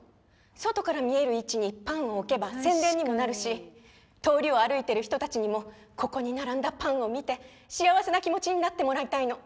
外から見える位置にパンを置けば宣伝にもなるし通りを歩いてる人たちにもここに並んだパンを見て幸せな気持ちになってもらいたいの。